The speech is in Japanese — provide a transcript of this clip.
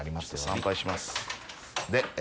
参拝します。